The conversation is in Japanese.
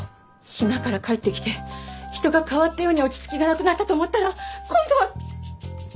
島から帰ってきて人が変わったように落ち着きがなくなったと思ったら今度はコスプレ！？